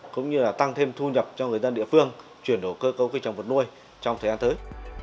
cũng như là tăng thêm thu nhập cho người dân địa phương chuyển đổi cơ cấu cây trồng vật nuôi trong thời gian tới